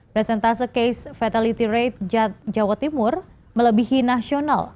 presentase case fatality rate jawa timur melebihi nasional